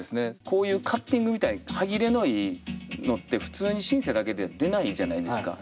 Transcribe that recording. こういうカッティングみたい歯切れのいいのって普通にシンセだけで出ないじゃないですか。